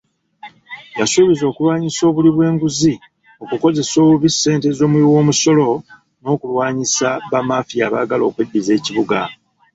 Yasuubizza okulwanyisa obuli bw'enguzi, okukozesa obubi ssente z'omuwi w'omusolo n'okulwanyisa bamaafiya abaagala okweddiza ekibuga.